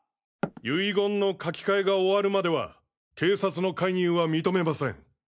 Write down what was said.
遺言の書き換えが終わるまでは警察の介入は認めません。